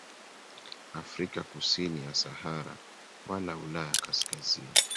Afrika kusini ya Sahara wala Ulaya ya Kaskazini